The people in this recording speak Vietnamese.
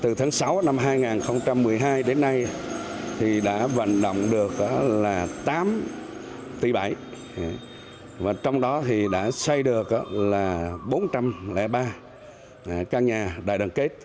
từ tháng sáu năm hai nghìn một mươi hai đến nay đã vận động được tám tỷ bãi trong đó đã xây được bốn trăm linh ba căn nhà đại đoàn kết